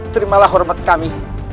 terimalah hormat kami